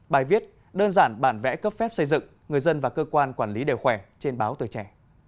bài viết đơn giản bản vẽ cấp phép xây dựng người dân và cơ quan quản lý đều khỏe trên báo tờ trẻ